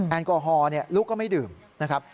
แอลกอฮอล์ลูกก็ไม่ดื่มนะครับ